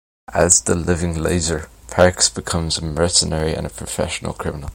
As the "Living Laser", Parks becomes a mercenary and professional criminal.